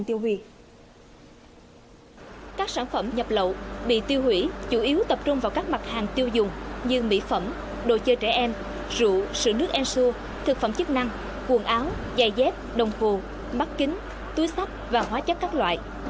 tiêu hủy chủ yếu tập trung vào các mặt hàng tiêu dùng như mỹ phẩm đồ chơi trẻ em rượu sữa nước ensure thực phẩm chức năng quần áo giày dép đồng hồ mắt kính túi sắp và hóa chất các loại